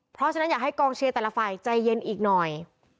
เพราะฉะนั้นอยากให้กองเชียร์แต่ละฝ่ายใจเย็นอีกหน่อย